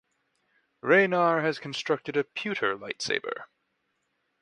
Raynar has constructed a pewter lightsaber.